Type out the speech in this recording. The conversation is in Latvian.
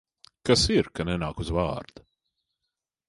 Kas ir, ka nenāk uz vārda?